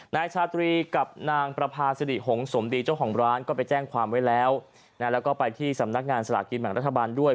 นายชาตรีกับนางประพาสิริหงสมดีเจ้าของร้านก็ไปแจ้งความไว้แล้วนะแล้วก็ไปที่สำนักงานสลากกินแบ่งรัฐบาลด้วย